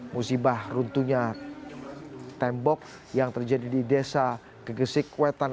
musibah runtuhnya tembok yang terjadi di desa kegesik kuetan